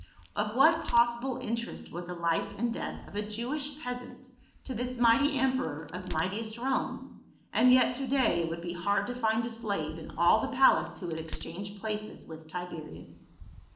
Of what possible interest was the life and death of a Jewish peasant to this mighty emperor of might iest Rome, and yet to day it would be hard to find a slave in all the palace who would exchange places with Tiberius.